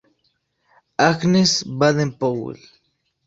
Agnes Baden-Powell.